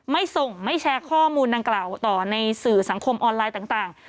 ไม่ส่งไม่แชร์ข้อมูลดังกล่าวต่อในสื่อสังคมออนไลน์ต่าง